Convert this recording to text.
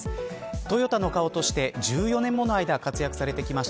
トヨタの顔として１４年もの間活躍されてきました